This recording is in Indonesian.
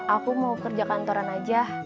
aku mau kerja kantoran aja